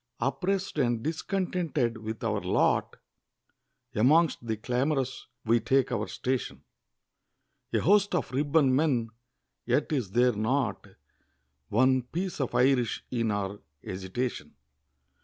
Oppress'd and discontented with our lot, Amongst the clamorous we take our station; A host of Ribbon Men yet is there not One piece of Irish in our agitation.